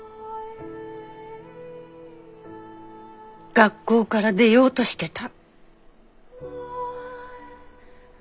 学校から出ようとしてた。